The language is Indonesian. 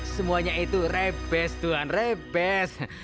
semuanya itu rebes tuhan rebes